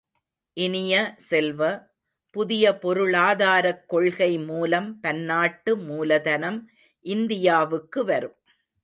இனிய செல்வ, புதிய பொருளாதாரக் கொள்கை மூலம் பன்னாட்டு மூலதனம் இந்தியாவுக்கு வரும்.